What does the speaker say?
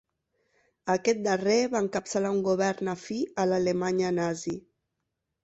Aquest darrer va encapçalar un govern afí a l'Alemanya nazi.